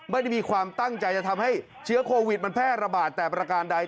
ไม่ได้มีความตั้งใจจะทำให้เชื้อโควิดมันแพร่ระบาดแต่ประการใด